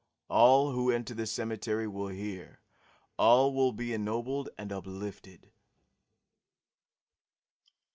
All who enter the cemetery will hear; all will be ennobled and uplifted."